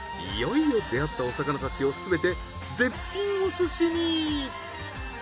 いよいよ出会ったお魚たちをすべて絶品お寿司に。